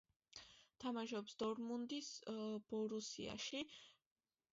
თამაშობს დორმუნდის „ბორუსიაში“.